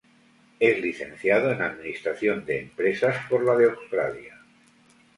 Es licenciado en administración de empresas por la de Australia.